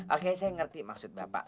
oke saya ngerti maksud bapak